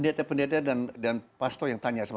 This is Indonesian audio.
karena saya pendeta pendeta dan pastor yang tanya sama saya